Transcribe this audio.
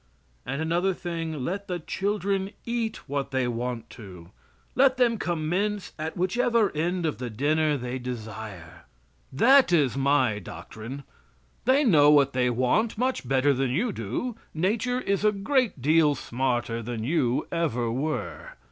And, another thing; let the children eat what they want to. Let them commence at whichever end of the dinner they desire. That is my doctrine. They know what they want much better than you do. Nature is a great deal smarter than you ever were.